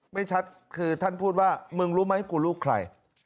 ไม่ชัดคือท่านพูดว่ามึงรู้ไหมกูลูกใคร